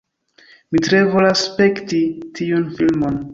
Mi tre volas spekti tiun filmon